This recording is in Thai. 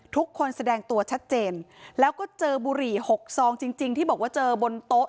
แสดงตัวชัดเจนแล้วก็เจอบุหรี่หกซองจริงที่บอกว่าเจอบนโต๊ะ